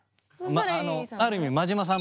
あのある意味真島さん